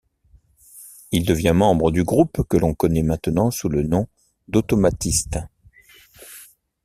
Il devient membre du groupe que l'on connaît maintenant sous le nom d'Automatistes.